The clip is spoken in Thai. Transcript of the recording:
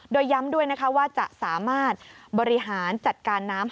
โดยย้ำด้วยนะคะว่าจะสามารถบริหารจัดการน้ำ